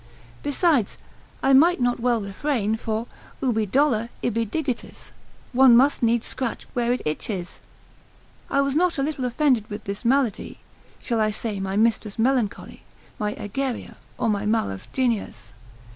Besides, I might not well refrain, for ubi dolor, ibi digitus, one must needs scratch where it itches. I was not a little offended with this malady, shall I say my mistress Melancholy, my Aegeria, or my malus genius?